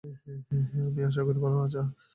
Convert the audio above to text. আমি আশা করি ভালো আছো।